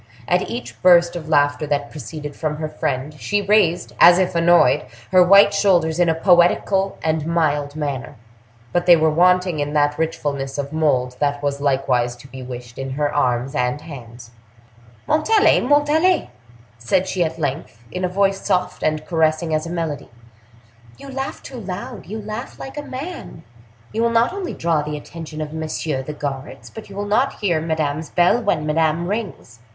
At each burst of laughter that proceeded from her friend, she raised, as if annoyed, her white shoulders in a poetical and mild manner, but they were wanting in that richfulness of mold that was likewise to be wished in her arms and hands. "Montalais! Montalais!" said she at length, in a voice soft and caressing as a melody, "you laugh too loud—you laugh like a man! You will not only draw the attention of messieurs the guards, but you will not hear Madame's bell when Madame rings."